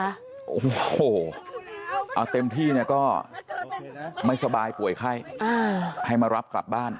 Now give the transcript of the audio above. โอ้โหเอาเต็มที่เนี่ยก็ไม่สบายป่วยไข้ให้มารับกลับบ้าน